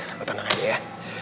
eh lo tenang aja ya